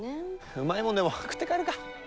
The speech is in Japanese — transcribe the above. うまいもんでも食って帰るか。